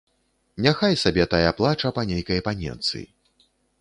Няхай сабе тая плача па нейкай паненцы.